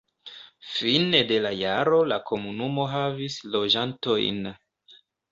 Fine de la jaro la komunumo havis loĝantojn.